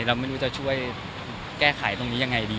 เราไม่รู้จะช่วยแก้ไขตรงนี้ยังไงดี